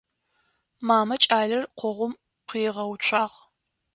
Мамэ кӏалэр къогъум къуигъэуцуагъ.